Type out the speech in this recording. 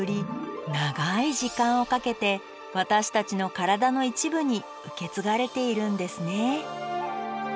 長い時間をかけて私たちの体の一部に受け継がれているんですね。